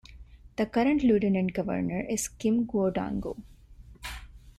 The Current Lieutenant Governor is Kim Guadagno.